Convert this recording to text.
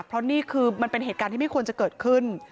เพราะนี่คือมันเป็นเหตุการณ์ที่ไม่ควรจะเกิดขึ้น